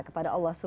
kepada allah swt